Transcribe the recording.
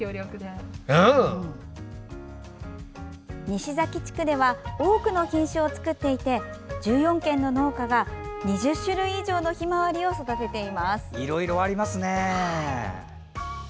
西岬地区では多くの品種を作っていて１４軒の農家が２０種類以上のひまわりを育てています。